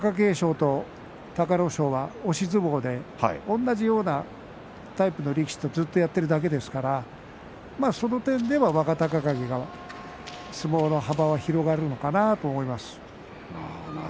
でも基本的に貴景勝と隆の勝は押し相撲で同じようなタイプの力士とずっとやっているだけですからその点では若隆景が相撲の幅が広がるのかなと思います。